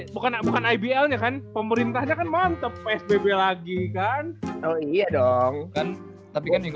bukan bukan iblnya kan pemerintahnya kan mantep psbb lagi kan oh iya dong kan tapi kan minggu